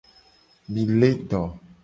Mi le do.